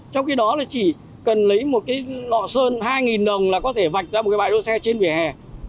trong khi đó là chỉ cần lấy một cái lọ sơn hai đồng là có thể vạch ra một cái bãi đỗ xe trên vỉa hè